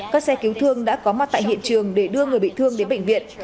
các xe cứu thương đã có mặt tại hiện trường để đưa người bị thương đến bệnh viện